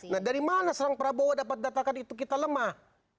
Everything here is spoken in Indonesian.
nah dari mana serang prabowo dapat datakan itu kita lemah